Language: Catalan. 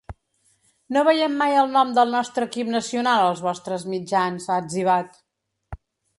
“No veiem mai el nom del nostre equip nacional als vostres mitjans”, ha etzibat.